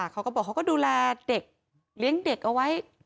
เขาก็บอกเขาก็ดูแลเด็กเลี้ยงเด็กเอาไว้